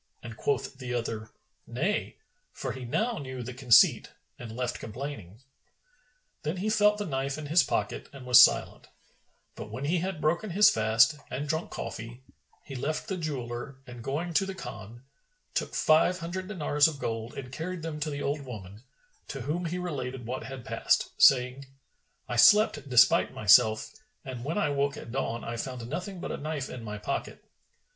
and quoth the other, "Nay!"; for he now knew the conceit and left complaining. Then he felt the knife in his pocket and was silent; but when he had broken his fast and drunk coffee, he left the jeweller and going to the Khan; took five hundred dinars of gold and carried them to the old woman, to whom he related what had passed, saying, "I slept despite myself, and when I woke at dawn I found nothing but a knife in my pocket."